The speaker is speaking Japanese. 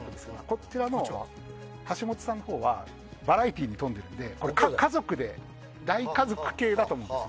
こちらのはしもとさんのほうはバラエティーに富んでいるので家族で大家族系だと思うんです。